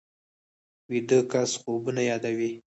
ویده کس خوبونه یادوي